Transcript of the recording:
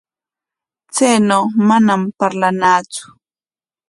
Chaynaw manam parlanatsu.